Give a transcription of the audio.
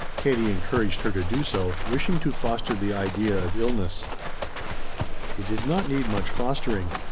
Katie encouraged her to do so, wishing to foster the idea of illness. It did not need much fostering.